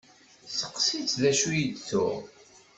Steqsi-tt d acu i d-tuɣ.